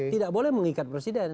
tidak boleh mengikat presiden